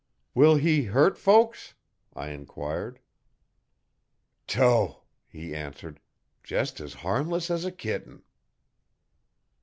'Will he hurt folks?' I enquired. 'Tow!' he answered, 'jest as harmless as a kitten.'